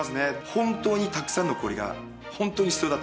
本当にたくさんの氷が本当に必要だったと思います。